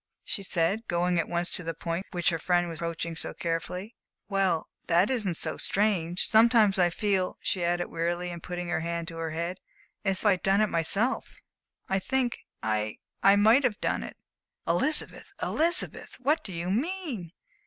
she said, going at once to the point which her friend was approaching so carefully. "Well, that isn't so strange. Sometimes I feel," she added, wearily, and putting her hand to her head, "as if I had done it myself. I think I I might have done it." "Elizabeth, Elizabeth, what do you mean?"